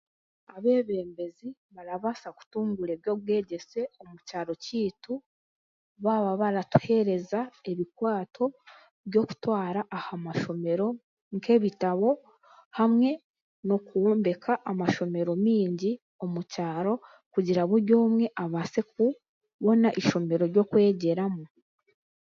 Abeebembezi barabaasa kutunguura ebyobwegyese omu kyaro kyaitu baaba baratuhereza ebikwato byokutwara aha mashomero nk'ebitabo hamwe n'okwombeka amashomero maingi omu kyaro kugira buri omwe abaase kubona ishomero ryokwegyeramu.